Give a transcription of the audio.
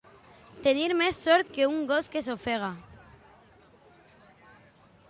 Tenir més sort que un gos que s'ofega.